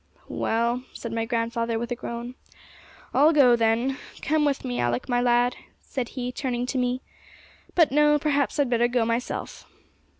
'Well,' said my grandfather, with a groan, 'I'll go then! Come with me, Alick, my lad,' said he, turning to me; 'but no, perhaps I'd better go by myself.'